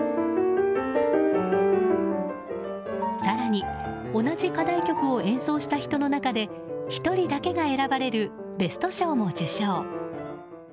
更に同じ課題曲を演奏した人の中で１人だけが選ばれるベスト賞も受賞。